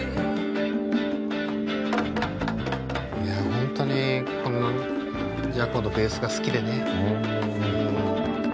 本当にこのＪａｃｏのベースが好きでね。